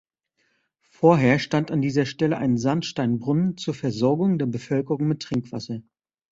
Vorher stand an dieser Stelle ein Sandstein-Brunnen zur Versorgung der Bevölkerung mit Trinkwasser.